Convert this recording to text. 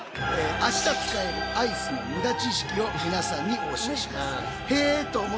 明日使えるアイスのムダ知識を皆さんにお教えします。